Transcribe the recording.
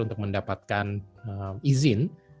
untuk mendapatkan izin